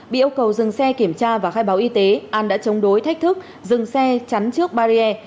bị yêu cầu dừng xe kiểm tra và khai báo y tế an đã chống đối thách thức dừng xe chắn trước barrier